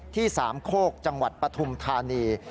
สามโคกจังหวัดปฐุมธานี